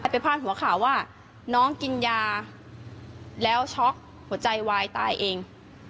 ไปพาดหัวข่าวว่าน้องกินยาแล้วช็อกหัวใจวายตายเอง